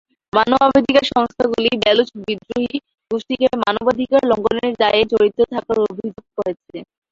মানবাধিকার সংস্থাগুলি বেলুচ বিদ্রোহী গোষ্ঠীকে মানবাধিকার লঙ্ঘনের দায়ে জড়িত থাকার অভিযোগ করেছে।